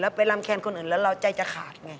ไปรำแคนคนอื่นแล้วเราใจจะขาดไง